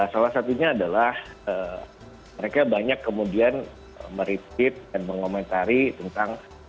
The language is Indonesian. salah satunya adalah mereka banyak kemudian meretweet dan mengomentari tentang